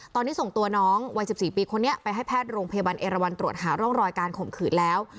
ตอนนี้ส่งตัวน้องวัย๑๔ปีคนนี้ไปให้แพทย์โรงพยาบาลเอราวันตรวจหาร่องรอยการข่มขืนแล้ว